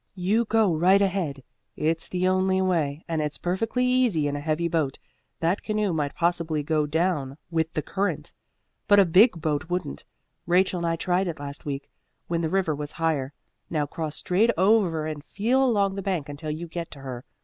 "You go right ahead. It's the only way, and it's perfectly easy in a heavy boat. That canoe might possibly go down with the current, but a big boat wouldn't. Rachel and I tried it last week, when the river was higher. Now cross straight over and feel along the bank until you get to her.